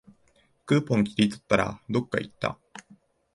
クーポン切り取ったら、どっかいった